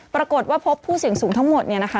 ปรากฏว่าพบผู้เสี่ยงสูงทั้งหมดเนี่ยนะคะ